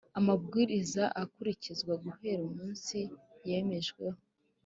Amabwiriza akurikizwa guhera umunsi yemejweho